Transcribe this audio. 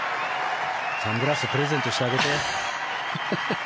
サングラスプレゼントしてあげて。